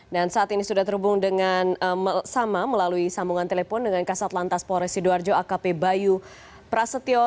dan saat ini sudah terhubung dengan sama melalui sambungan telepon dengan kasat lantas polresi doarjo akp bayu prasetyo